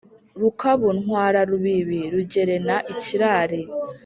rukabu ntwara rubibi rugerna ikirari